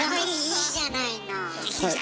いいじゃない。